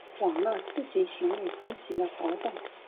网络自警行为进行的活动。